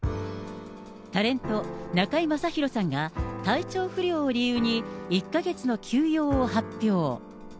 タレント、中居正広さんが体調不良を理由に、１か月の休養を発表。